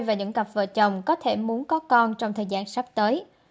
và những cặp vợ chồng có thể muốn có con trong thời gian sắp tới